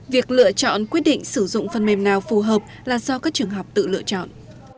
việc lựa chọn quyết định sử dụng phần mềm nào phù hợp là do các trường học tự lựa chọn